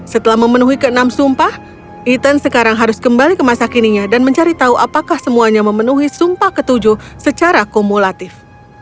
setelah memenuhi keenam sumpah ethan sekarang harus kembali ke masa kininya dan mencari tahu apakah semuanya memenuhi sumpah ketujuh secara kumulatif